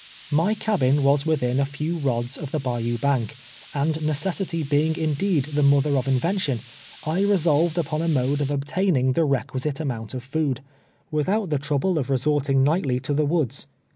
My cabin was within a few rods of the bayou bank, and necessity being indeed the mother of invention, I resolved upon a mode of obtaining the requisite amount of food, without the ti'ouble of resorting night I* 202 TWELVE YEARS A SLAIT: \y to the woods.